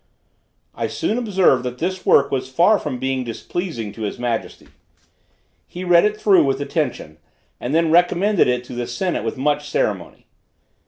I soon observed that this work was far from being displeasing to his majesty. He read it through with attention, and then recommended it to the senate with much ceremony.